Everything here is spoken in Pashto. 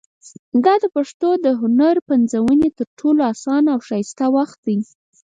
دا د پښتنو د هنر پنځونې تر ټولو اسانه او ښایسته وخت دی.